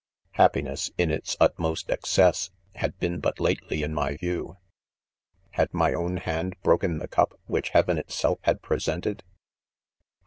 Happiness, in its utmost excess, had been but lately in my view. Had my own hand broken the cup, 'which hea ven itself had presented I •